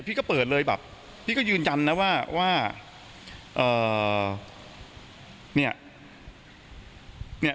พี่ก็เปิดเลยแบบพี่ก็ยืนยันนะว่าเอ่อเนี่ย